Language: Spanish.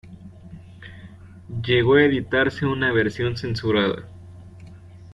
Llegó a editarse una versión censurada.